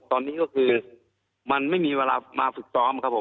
ตอนนี้ก็คือมันไม่มีเวลามาฝึกซ้อมครับผม